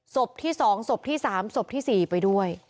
ศพที่สองศพที่สามศพที่สี่ไปด้วย